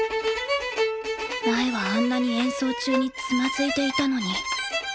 前はあんなに演奏中につまずいていたのに。